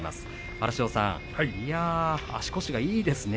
荒汐さん、足腰がいいですね。